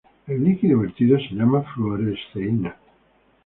El líquido vertido se llama fluoresceína.